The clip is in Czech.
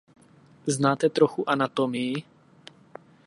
Znáte trochu anatomii?